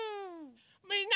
みんな。